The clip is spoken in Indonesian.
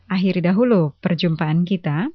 akhiri dahulu perjumpaan kita